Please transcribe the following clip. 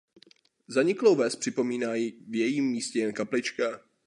Zaniklou ves připomíná v jejím místě jen kaplička.